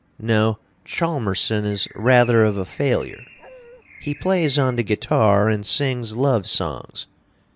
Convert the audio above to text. No, Chalmerson is rather of a failure. He plays on the guitar and sings love songs.